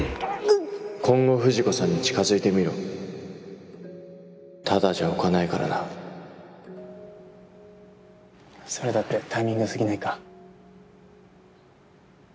今後藤子さんに近づいてみろただじゃおかないからなそれだってタイミング良過ぎないか？